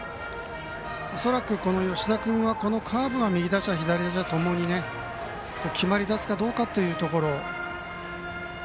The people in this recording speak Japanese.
恐らく吉田君のカーブが右打者、左者ともに決まりだすかどうかというところ。